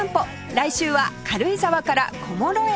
来週は軽井沢から小諸へ